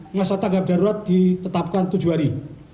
masa tanggap darurat ditetapkan tujuh hari